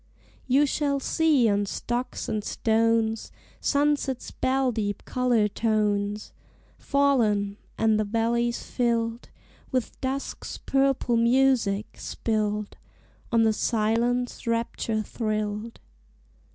You shall see on stocks and stones Sunset's bell deep color tones Fallen; and the valleys filled With dusk's purple music, spilled On the silence rapture thrilled.